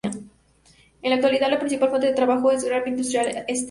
En la actualidad, la principal fuente de trabajo es "Granby Industrial Estate".